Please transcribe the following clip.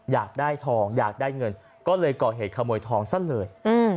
อยากได้ทองอยากได้เงินก็เลยก่อเหตุขโมยทองซะเลย